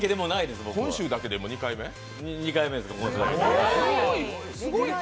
今週だけで２回目です。